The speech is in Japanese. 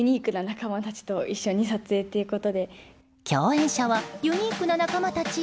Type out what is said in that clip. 共演者はユニークな仲間たち？